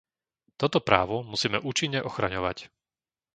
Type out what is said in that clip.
Toto právo musíme účinne ochraňovať.